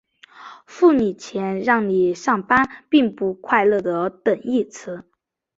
付你钱让你来上班并不快乐的等义词。